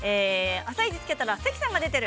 「あさイチ」をつけたら関さんが出ている。